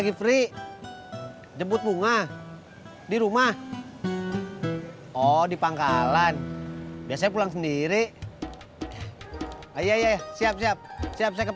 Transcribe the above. lagi free jemput bunga di rumah oh di pangkalan biasa pulang sendiri ayo siap siap siap siap